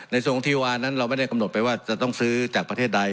ทรงที่วานั้นเราไม่ได้กำหนดไปว่าจะต้องซื้อจากประเทศใด